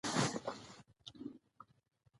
کرکټ خلک خوشحاله کوي.